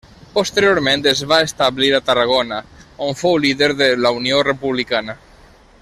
Posteriorment es va establir a Tarragona, on fou líder de la Unió Republicana.